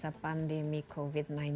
masa pandemi covid sembilan belas